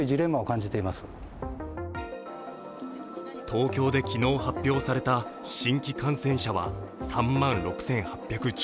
東京で昨日発表された新規感染者は３万６８１４人。